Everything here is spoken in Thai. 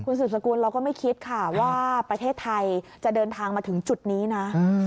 สืบสกุลเราก็ไม่คิดค่ะว่าประเทศไทยจะเดินทางมาถึงจุดนี้นะ